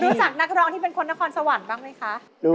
รู้จักนักร้องที่เป็นคนนครสวรรค์บ้างไหมคะ